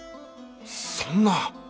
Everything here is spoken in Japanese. そんな。